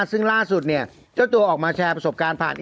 ซึ่งล่าสุดเนี่ยเจ้าตัวออกมาแชร์ประสบการณ์ผ่าน